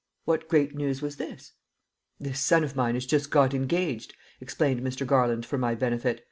What great news was this? "This son of mine has just got engaged," explained Mr. Garland for my benefit.